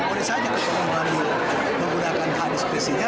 boleh saja kita membalikkan menggunakan hak diskresinya